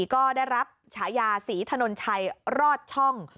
ก็ได้รับฉายาศรีถนนชัยรอดช่อง